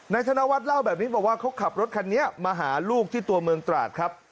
ธนวัฒน์เล่าแบบนี้บอกว่าเขาขับรถคันนี้มาหาลูกที่ตัวเมืองตราดครับ